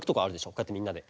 こうやってみんなで。